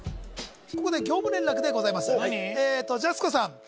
ここで業務連絡でございますジャスコさん